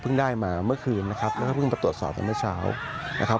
ได้มาเมื่อคืนนะครับแล้วก็เพิ่งมาตรวจสอบไปเมื่อเช้านะครับ